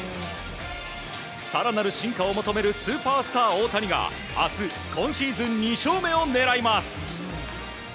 更なる進化を求めるスーパースター大谷が明日、今シーズン２勝目を狙います。